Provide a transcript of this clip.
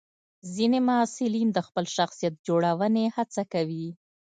ځینې محصلین د خپل شخصیت جوړونې هڅه کوي.